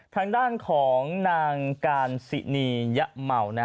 ทางด้านของนางการสินียะเมา